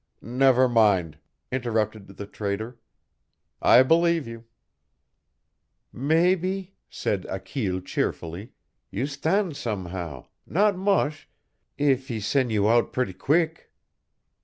"Never mind," interrupted the Trader. "I believe you." "Maybee," said Achille cheerfully, "you stan' some show not moche eef he sen' you out pret' queeck.